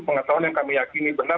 pengetahuan yang kami yakini benar